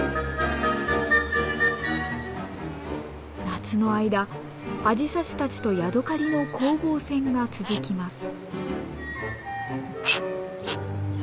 夏の間アジサシたちとヤドカリの攻防戦が続きます。